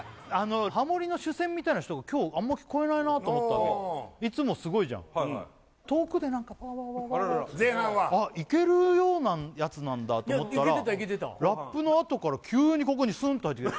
ハモリの主旋みたいな人が今日あんま聞こえないなと思ったわけいつもすごいじゃんはいはいうん前半はあっいけるようなやつなんだと思ったらいやいけてたいけてたラップのあとから急にここにスンッと入ってきて